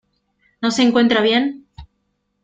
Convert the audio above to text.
¿ no se encuentra bien?